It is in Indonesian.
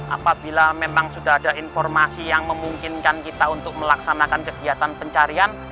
apabila memang sudah ada informasi yang memungkinkan kita untuk melaksanakan kegiatan pencarian